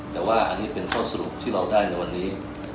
แต่ว่าอันนี้เป็นข้อสรุปที่เราได้ในวันนี้